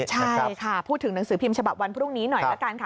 ใช่ค่ะพูดถึงหนังสือพิมพ์ฉบับวันพรุ่งนี้หน่อยละกันค่ะ